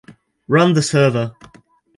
Run the server